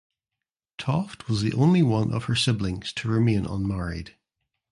Toft was the only one of her siblings to remain unmarried.